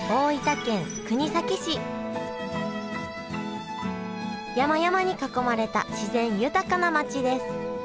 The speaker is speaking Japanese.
山々に囲まれた自然豊かな町です